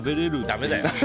だめだよ。